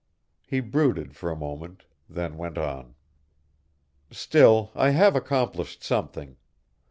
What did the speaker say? He brooded for a moment, then went on. "Still, I have accomplished something.